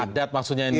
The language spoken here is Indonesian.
adat maksudnya ini